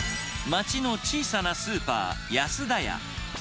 町の小さなスーパー、安田屋。